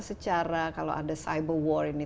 secara kalau ada cyber war ini